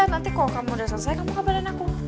nanti kalau kamu udah selesai kabaran aku